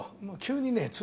もう急にね